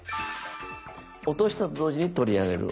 落としたと同時に取り上げる。